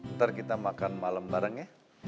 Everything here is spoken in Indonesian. ntar kita makan malam bareng ya